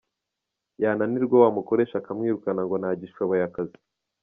Yananirwa wa mukoresha akamwirukana ngo ntagishoboye akazi.